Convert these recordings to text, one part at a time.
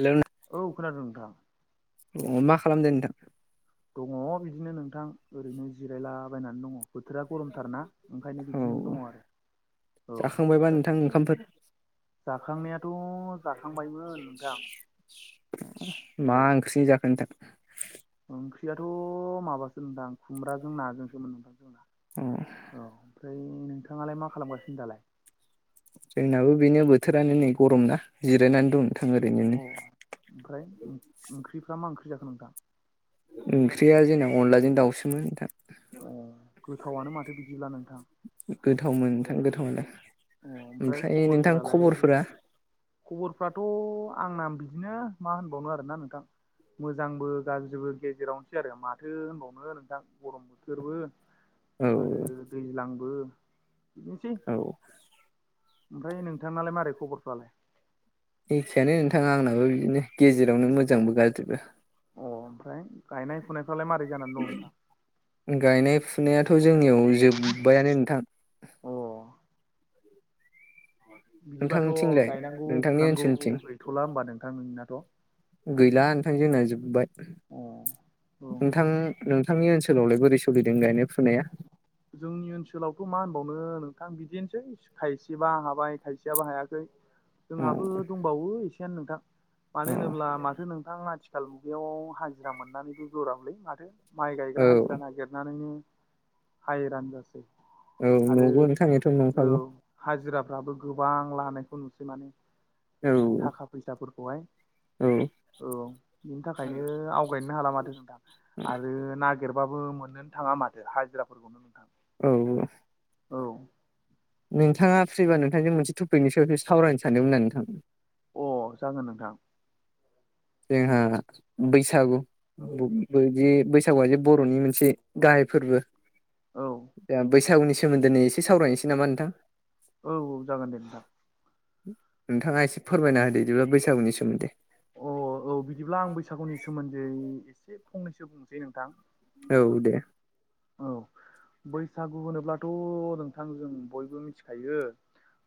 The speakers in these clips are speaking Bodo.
हेल औ खोनादों नोंथां। अ मा खालामदो नोंथां? दङ बिदिनो नोंथां। ओरै'नो जिरायलाबायनानै दङ। बोथोरा गरमथारना ओंखायनो बिदिनो दङ आरो। औ फबायबा नोंथां ओंखामफोर जाखांनायाथ' जाखांबायमोन नोंथां। औ मा ओंख्रि जाखो नोंथां? ओंख्रियाथ' माबासो नोंथां खुमब्राजों नाजोंसोमोन नोंथां जोंना। उम औ ओमफ्राय नोंथाङालाय मा खालामगासिनो दालाय? जोंनाबो बेनो बोथोरानो नै गरम ना जिरायनानै दं नोंथां ओरैनो अ नै ओमफ्राय ओंख्रिफ्रा मा ओंख्रि जाखो नोंथां? ओंख्रिया जोंना अनलाजों दाउसोमोन नोंथां। अ गोथावानो माथो बिदिब्ला नोंथां। गोथावमोन नोंथां अ गोथावालाय ओमफ्राय नोंथां खबरफोरालाय खबरफोरा। खबरफ्राथ' आंना बिदिनो मा होनबावनो आरो ना नोंथां। मोजांबो गाज्रिबो गेजेरावनोसै आरो माथो होनबावनो नोंथां गरम बोथोरबो औ आरो दैज्लांबो बिदिनोसै औ ओमफ्राय नोंथांनालाय मारै खबरफ्रालाय एखेयानो नोंथाङा आंनाबो बिदिनो गेजेरावनो मोजांबो गाज्रिबो अ ओमफ्राय गायनाय फुनायफ्रालाय मारै जानानै दं नोंथां। गायनाय फुनायाथ' जोंनियाव जोब्बायानो नोंथां अ बिदिबाथ' नोंथांथिंलाय गायनांगौ नोंथांनि फुनांगौ ओनसोलथिं गैथ'ला होमबा नोंथां नोंनाथ' गैला नोंथां जोंना जोबबाय औ नोंथां नोंथांनि ओनसोलावलाय बोरै सोलिदों गायनाय फुनाया? जोंनि ओनसोलावथ मा होनबावनो नोंथां बिदिनोसै खायसेबा हाबाय खायसेयाबो हायाखै उम जोंहाबो दंबावो एसेयनो नोंथां अ मानो होनोब्ला माथो नोंथाङाथि सालखुनथायाव हाजिरा मोननानैबो गोराबलै माथो माइ औ गायग्रा हाजिरा नागिरनानैनो हाइ रानजासै औ आरो नंगौ नोंथां एथ' औ नंखागौ हाजिराफ्राबो गोबां लानायखौ नुसै माने औ थाखा फैसाफोरखौहाय औ औ बिनि थाखायनो आवगायनो हाला माथो नोंथां आरो नागिरबाबो मोननोनो थाङा माथो हाजिराफोरखौनो नोंथां औ ओ औ नोंथाङा फ्रिबा नोंथांजों मोनसे टपिकनि सायावसो सावरायनो सानदोंमोन आं नोंथां अ जागोन नोंथां जोंहा बैसागु ब बैदि बैसागुआ जे बर'नि मोनसे गाहाय फोरबो औ दा बैसागुनि सोमोन्दोनि एसे सावरायनोसै नामा नोंथां? औ औ जागोन दे नोंथां नोंथाङा एसे फोरमायना होदो बिदिब्ला बैसागुनि सोमोन्दै अ औ बिदिब्ला आं बैसागुनि सोमोन्दै एसे फंनैसो बुंनोसै नोंथां औ दे औ बैसागु होनोब्लाथ नोंथां जों बयबो मिथिखायो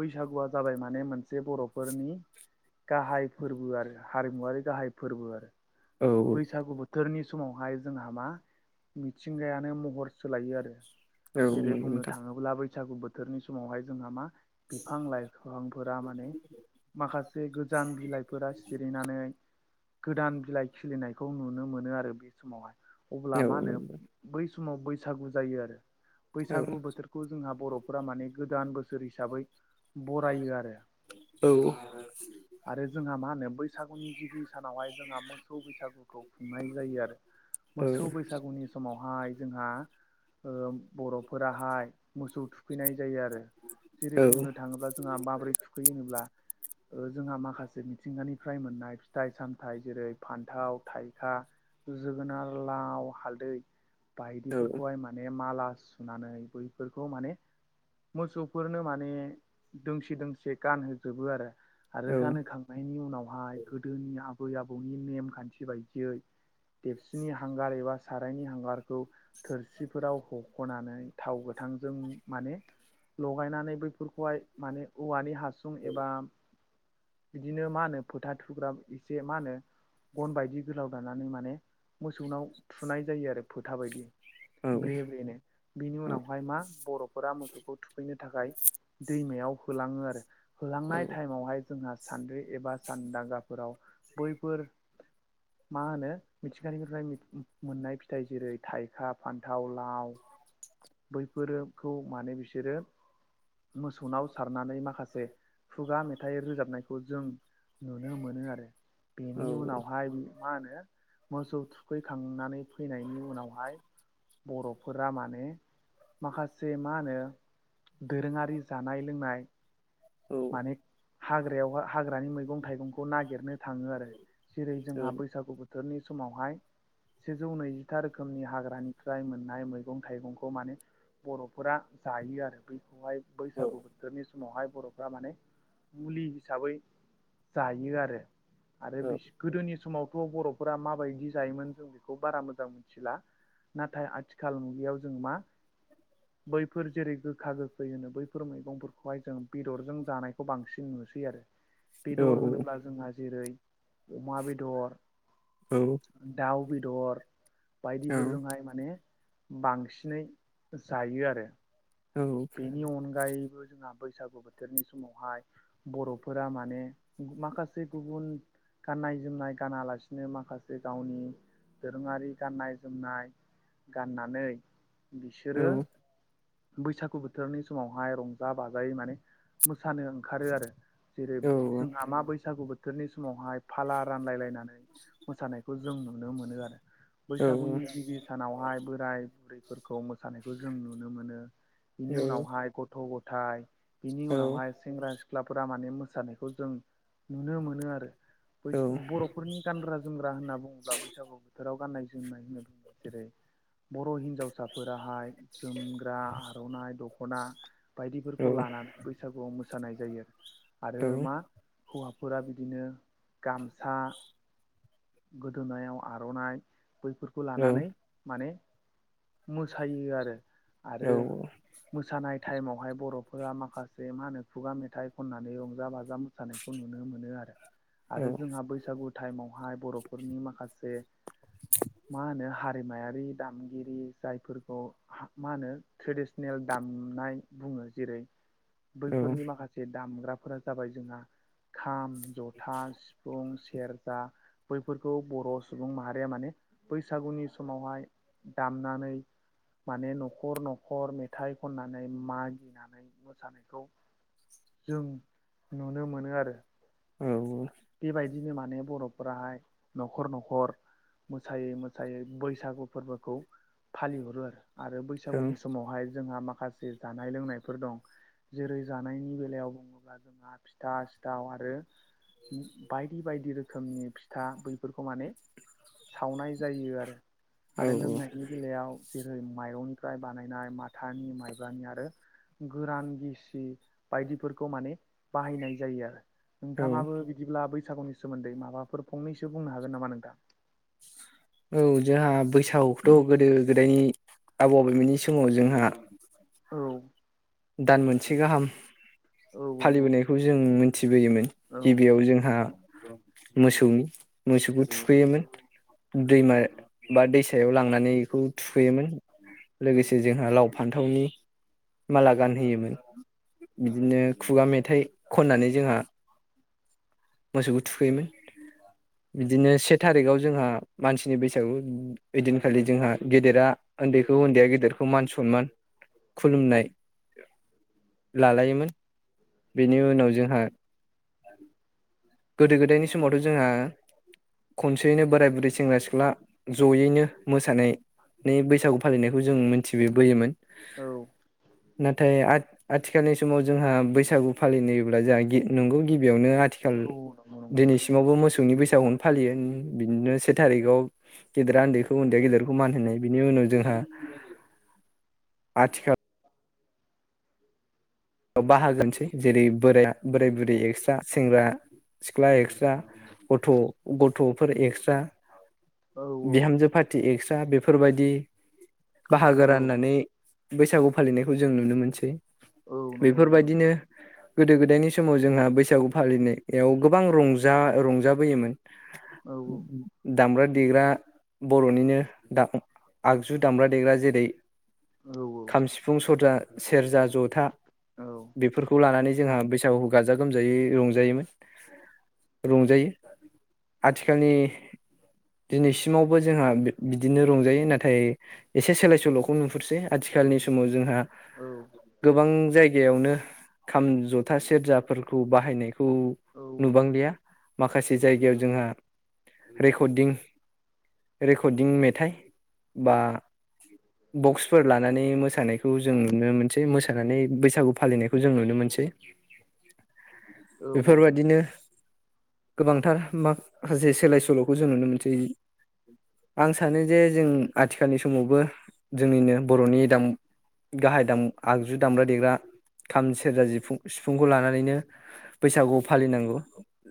बैसागुआ जाबाय माने मोनसे बरफोरनि गाहाय फोरबो आरो हारिमुवरारि गाहाय फोरबो आरो औ बैसागु बो थोरनि समावहाय जोंहा मा मिथिंगायानो महर सोलायो आरो औ जेरै नंगौ बुंनो नोंथां थाङोब्ला बैसागु बोथोरनि समावहाय जोंहा मा बिफां लाइफफांफोरा माने माखासे गोजाम बिलाइफोरा सिरिनानै गोदान बिलाइ खिलिनायखौ नुनो मोनो आरो बे समावहाय औ अब्ला मा होनो बै समाव बैसागु जायो आरो औ बैसागु बोथोर खौ जोंहा बरफोरा माने गोदान बोसोर हिसाबै बरायो आरो। औ आरो जोंहा मा होनो बैसागुनि गिबि सानावहाय जोंहा मो मोसौ बैसागुखौ खुंनाय जायो आरो औ मोसौ बैसागुनि समावहाय जोंहा ओ बरफोराहाय मोसौ थुखैनाय जायो आरो जेरै बुंनो थाङोब्ला जोंहा माबोरै थुखैयो होनोब्ला जोंहा माखासे मिथिंगानिफ्राय मोननाय फिथाइ सामथाइ जेरै फान्थाव थाइखा जोगोनार लाव हालदै औ बायदिफोरखौहाय माने माला सुनानै बैफोरखौ माने मोसौफोरनो माने दोंसे दोंसे गानहोजोबो आरो आरो गानहोखांनायनि उनावहाय गोदोनि आबै आबौनि नेमखान्थि बायदियै देबसुनि हांगार एबा सारायनि हांगारखौ थोरसिफोराव हखनानै थाव गोथांजों माने लगायनानै बैफोरखौहाय माने औवानि हास हासुं एबा बिदिनो मा होनो फोथा थुग्रााब एसे मा होनो गन बायदि गोलाव दानानै माने मोसौनाव थुनाय जायो आरो फोथा बायदि ब्रे ब्रेनो बिनि उनावहाय मा बरफोरा मोसौखौ थु सफैनो थाखाय दैमायाव होलाङो आरो होलांनाय टाइमावहाय जोंहा सानद्रि एबा सानदांगाफोराव बैफोर मा होनो मिथिंगानि मोननाय फिथाइ जेरै थाइखा फान्थाव, लाव बैफोरोफोरखौ माने बिसोरो मोसौनाव सारनानै माखासे खुगा मेथाइ रोजाबनायखौ जों नुनो मोनो आरो बिनि उनावहाय मा होनो मोसौ थुखैखांनानै फैनायनि उनावहाय बर'फोरा माने माखासे मा होनो दोरोङारि जानाय लोंनाय माने हाग्रायाव हाग्रानि मैगं-थाइगंखौ नागिरनो थाङो आरो जेरै औ औ जोंहा बैसागु बोथोरनि समावहाय सेजौ नैजिथा रोखोमनि हाग्रानिफ्राय मोननाय मैगं-थाइगंखौ माने बर'फोरा जायो आरो बैखौहाय औ बैसागु बोथोरनि समावहाय बर' बिदिबा माने मुलि हिसाबै जायो आरो आरो बि औ गोदोनि समावथ' बर'फोरा माबायदि जायोमोन जों बेखौ बारा मोजां मिथिला नाथाय आथिखाल मुगैायाव जों मा बैफोर जेरै गोखा-गोखै होनो बैफोर मैगंफोरखौहाय जों बेदरजों जानायखौ बांसिन नुसै आरो बेदर होनोब्ला जोंहा जेरै अमा बेदर दाउ बेदर बायदिफोरजोंहाय माने बांसिनै जायो आरो औ बेनि अनगायैबो जोंहा बैसागु बोथोरनि समावहाय बर'फोरा माने माखासे गुबुन गाननाय-जोमनाय गानालासिनो माखासे गावनि दोरोङारि गाननाय-जोमनाय गाननानै बिसोरो बैसागु बोथोरनि समावहाय रंजा बाजायै माने मोसानो ओंखारो आरो जेरै जोंहा मा बैसागु बोथोरनि समावहाय फाला रानलायलायनानै मोसानायखौ जों नुनो मोनो आरो बैसागुनि गिबि सानावहाय बोराय बुरैफोरखौ मोसानायखौ जों नुनो मोनो। बिनि उनावहाय गथ' गथायाइ बिनि उनावहाय सेंग्रा-सिख्लाफोरा माने मोसानायखौ जों नुनो मोनो आरो बै बर'फोरनि गानग्रा-जोमग्रा होनना बुङोब्ला बैसागु बोथोराव गाननाय-जोमनाय होनना बुङो जेरै बर' हिनजाव फिसाफोराहाय जोमग्रा आर'नाइ दख'ना बायदिफोरखौ लाना आरो बैसागुआव मोसानाय जायो आरो मा हौवाफोरा बिदिनो गामसा गोदोनायाव आर'नाइ बैफो रखौ लानानै माने मोसायो आरो आरो मोसानाय टाइमावहाय बर'फोरा माखासे मा होनो खुगा मेथाइ खननानै रंजा-बाजा मो सानायखौ नुनो मोनो आरो आरो जोंहा बैसागु टाइमावहाय बर'फोरनि माखासे मा होनो हारि हारिमायारि दामगिरि जायफोरखौ मा होनो ट्रेडिसनेल दामनाय बुङो जेरै बैफोरनि माखासे जे दामग्राफोरा जाबाय जोंहा खाम, जथा, सिफुं, सेरजा बैफोरखौ बर' सुबुं माहारिया माने बैसागुनि समावहाय दामनानै माने न'खर न'खर मेथाइ खननानै मागिनानै मोसानायखौ जों नुनो मोनो आरो औ बेबायदिनो माने बर'फोराहाय न'खर न'खर मोसायोमोन। सायो बैसागु फोरबोखौ फालिहरो आरो आरो बैसागुनि समावहाय जोंहा माखासे जानाय लोंनायफोर दं जेरै जानायनि बेलायाव बुङोब्ला जोंहा फिथा सिथाव आरो बायदि बायदि रोखोमनि फिथा बैफोरखौ माने सावनाय जायो आरो आरो लोंनायनि बेलायाव जेरै माइरंनिफ्राय बानायनाय माथानि माइब्रानि आरो गोरान गिसि बायदिफोरखौ माने बाहायनाय जायो आरो नोंथाङाबो बिदिब्ला बैसागुनि सोमोन्दै माबाफोर फंनैसो बुंनो हागोन नामा नोंथां? औ जोंहा बैसागुखौथ' गोदो गोदायनि आबौ आबैमोननि समाव जोंहा औ दान मोनसे गाहाम औ फालिबोनायखौ जों मोनथिबोयोमोन औ गिबियाव जोंहा मोसौनि मोसौखौ थुखैयोमोन दैमा बा दैसायाव लांनानै बेखौ थुखैयोमोन लोगोसे जोंहा लाव फान्थावनि माला गानहोयोमोन बिदिनो खुगा मेथाइ खननानै जोंहा मोसौखौ थुखैयोमोन बिदिनो से थारिखआव जोंहा मानसिनि बैसागु ओइदिनखालि जोंहा गेदेरा उन्दैखौ उन्दैया गेदेरखौ मान सनमान खुलुमनाय लालायोमोन बेनि उनाव जोंहा गोदो गोदायनि समावथ' जोंहा खनसेयैनो बोराय बुरै सेंग्रा सिख्ला जयैनो मोसानाय नै बैसागु फालिनायखौ जों मिथिबोबोयोमोन औ नाथाय आ आथिखालनि समाव जोंहा बैसागु फालिब्ला जोंहा नंगौ गिबियावनो औ आथिखाल नंगौ नंगौ नोंथां आवबो मोसौनि बैसागुनो फालियो बिदिनो से थारिखाव गेदेरा उन्दैखौ उन्दैया गेदेरखौ मान होनाय बिनि उनाव जोंहा आथिखाल बाहागोनोसै जेरै बोराया बोराय बुरै एक्सट्रा सेंग्रा सिख्ला एक्सट्रा गथ'फोर एक्सट्रा औ बिहामजो फा पाटि एक्सट्रा बेफोरबायदि बाहागो औ राननानै बैसागु फालिनायखौ जों नुनो मोनसै औ नंगौ नंगौ नोंथां बेफोरबायदिनो गोदो गोदायनि समाव जोंहा बैसागु फालिनायाव गोबां रंजा रंजाबोयोमोन औ [unintelligible] दामब्रा देग्रा बर'निनो दाग आगजु दाम्रा देग्रा जेरै औ खाम सिफुं सरजा सेरजा जथा औ बेफोरखौ लानानै जोंहा बैसागुखौ गाजा गोमजायै रंजायोमोन रंजायो आथिखालनि दिनैसिमावबो जोंहा बि-बिदिनो रंजायो नाथाय एसे सोलाय सोल'खौ नुहुरसै आथिखालनि समाव जोंहा औ गोबां जायगायावनो खाम जथा सेरजाफोरखौ बाहायनायखौ औ नुबांलिया माखासे जायगायाव जोंहा रेकरदिं रेकरदिं मेथाइ बा बक्सफोर लानानै मोसानायखौ जों नुनो मोनसै मोसानानै बैसागु फालिनायखौ जों नुनो मोनसै बेफोरबादिनो गोबांथार माखासे सोलाय सोल'खौ जों नुनो मोनसै आं सानो जे जों आथिखालनि समावबो जोंनिनो बर'नि दाम गाहाय दाम आगजु दामग्रा देग्रा खाम सेरजा जिफुं सिफुंखौ लानानैनो बैसागु फालिनांगौ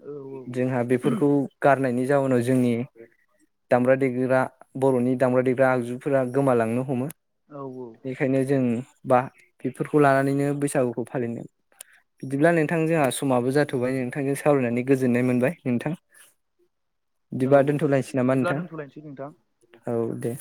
औ औ जोंहा बेफोरखौ गारनायनि जाउनाव जोंनि दामग्रा देग्रा बर'नि दामग्रा देग्रा आगजुफोरा गोमालांनो हमो औ औ ओंखायनो जों बा बेफोरखौ लानानैनो बैसागुखौ फालिनो बिदिब्ला नोंथां जोंहा समाबो जाथ'बाय नोंथांजों सावरायनानै गोजोननाय मोनबाय नोंथां औ बिदिबा औ दोनथ'लायसै नामा बिदिब्ला नोंथां। दोनथ'लायनोसै नोंथां औ दे